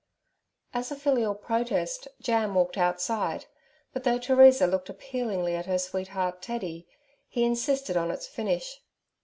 As a filial protest Jam walked outside, but though Teresa looked appealingly at her sweetheart Teddy, he insisted on its finish.